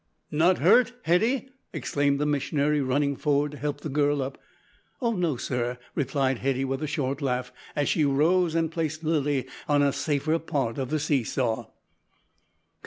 "Not hurt, Hetty!" exclaimed the missionary, running forward to help the girl up. "Oh! no, sir," replied Hetty with a short laugh, as she rose and placed Lilly on a safer part of the see saw.